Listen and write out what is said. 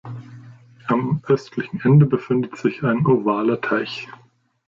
Am östlichen Ende befindet sich ein ovaler Teich.